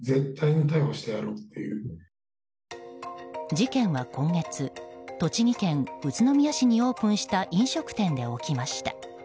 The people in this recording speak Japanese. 事件は今月、栃木県宇都宮市にオープンした飲食店で起きました。